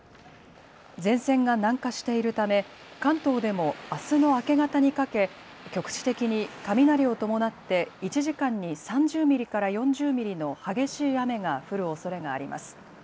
前線が南下しているため関東でもあすの明け方にかけ局地的に雷を伴って１時間に３０ミリから４０ミリの激しい雨が降るおそれがあります。